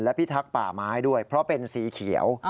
พิทักษ์ป่าไม้ด้วยเพราะเป็นสีเขียว